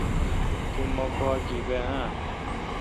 تو مہ پاگیبہ اہ؟